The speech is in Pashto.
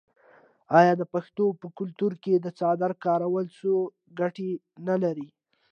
آیا د پښتنو په کلتور کې د څادر کارول څو ګټې نلري؟